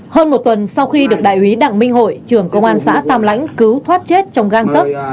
hơn một tuần sau khi được đại úy đặng minh hội trưởng công an xã tam lãnh cứu thoát chết trong găng tức